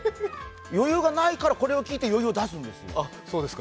余裕がないからこれを聞いて、余裕を出すんですよ。